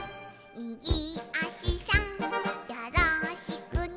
「みぎあしさんよろしくね」